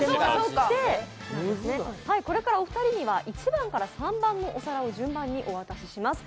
これからお二人には１番から３番のお皿を順番にお渡しします。